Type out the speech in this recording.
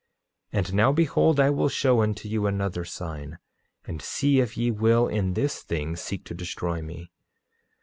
9:25 And now behold, I will show unto you another sign, and see if ye will in this thing seek to destroy me.